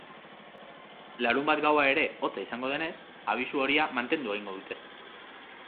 Larunbat gaua ere hotza izango denez, abisu horia mantendu egingo dute.